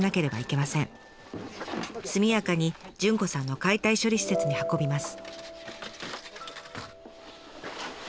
速やかに潤子さんの解体処理施設に運びます。